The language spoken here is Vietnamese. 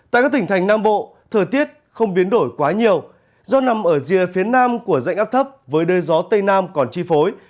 tại các tỉnh thành nam bộ thời tiết không biến đổi quá nhiều do nằm ở rìa phía nam của dạnh áp thấp với đới gió tây nam còn chi phối